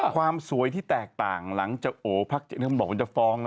ความสวยที่แปลกต่างหลังจะโหว่าพัดเจนศ์บอกว่าจะฟ้อง